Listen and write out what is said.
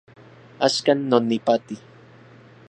Axkan non ipati